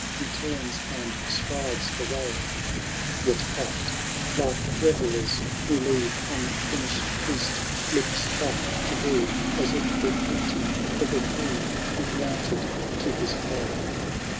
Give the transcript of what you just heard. He turns and strides away ! Yet oft, like revellers who leave Unfinished feast, looks back to grieve. As if repenting the reprieve He granted to his prey.